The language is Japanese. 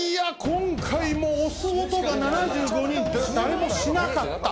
今回も押す音が７５人誰もしなかった。